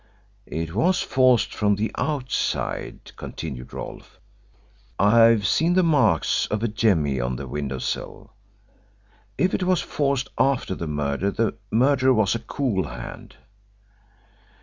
"It was forced from the outside," continued Rolfe. "I've seen the marks of a jemmy on the window sill. If it was forced after the murder the murderer was a cool hand."